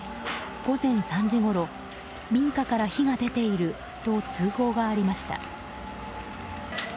午前３時ごろ民家から火が出ていると通報がありました。